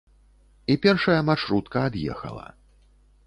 І першая маршрутка ад'ехала.